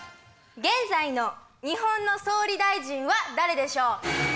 現在の日本の総理大臣は誰でしょう？